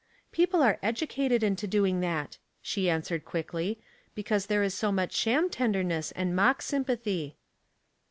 " People are educated into doing that," she an swered quickly, ''because there is so much sham tenderness and mock sympathy."